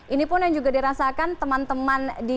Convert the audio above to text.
ini pun yang juga dirasakan teman teman di pelaku seni tadi